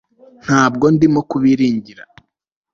Ntabwo ndimo kubiringira